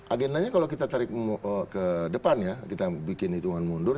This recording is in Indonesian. agendanya kalau kita tarik ke depan ya kita bikin hitungan mundur